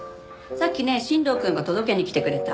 さっきね新藤くんが届けに来てくれた。